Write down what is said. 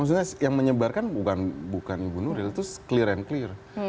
maksudnya yang menyebarkan bukan ibu nuril itu clear and clear